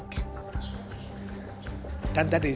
dan juga untuk bidang yang jurnalistik